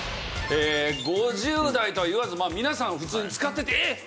５０代とはいわず皆さん普通に使っててえっ！？